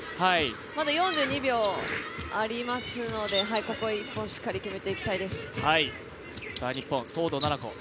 まだ４２秒ありますので、ここをしっかり決めていきたいです。